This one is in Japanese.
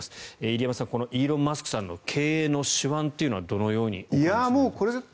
入山さんこのイーロン・マスクさんの経営の手腕というのはどのように見ていますか？